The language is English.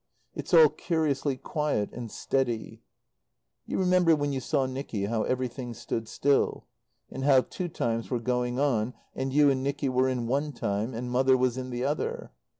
It's all curiously quiet and steady. You remember when you saw Nicky how everything stood still? And how two times were going on, and you and Nicky were in one time, and Mother was in the other?